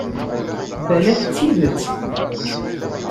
Balak d tidet.